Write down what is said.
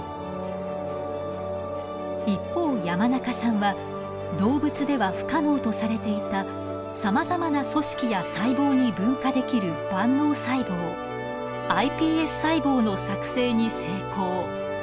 一方山中さんは動物では不可能とされていたさまざまな組織や細胞に分化できる万能細胞ｉＰＳ細胞の作製に成功。